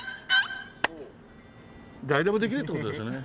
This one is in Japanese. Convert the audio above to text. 誰でもできるって事ですよね。